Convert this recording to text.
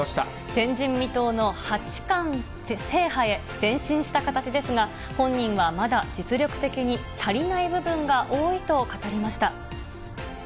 前人未到の八冠制覇へ前進した形ですが、本人はまだ実力的に足りない部分が多いと語りました。